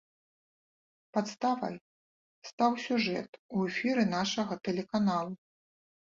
Падставай стаў сюжэт у эфіры нашага тэлеканалу.